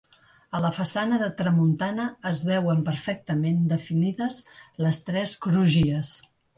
A la façana de tramuntana es veuen perfectament definides les tres crugies.